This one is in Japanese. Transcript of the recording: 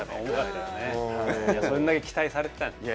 それだけ期待されてたんです。